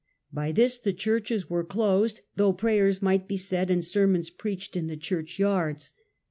By this the churches ^j^^ interdict* were closed, though prayers might be said and sermons preached in the churchyards.